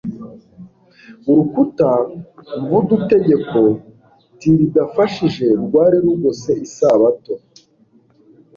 Urukuta mv'udutegeko tlidafashije rwari rugose isabato.